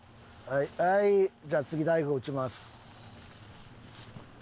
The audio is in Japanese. はいじゃあ次大悟打ちます。